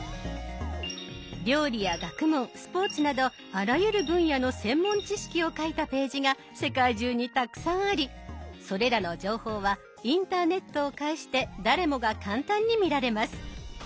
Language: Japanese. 料理や学問スポーツなどあらゆる分野の専門知識を書いたページが世界中にたくさんありそれらの情報はインターネットを介して誰もが簡単に見られます。